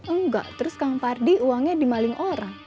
enggak terus kang pardi uangnya dimaling orang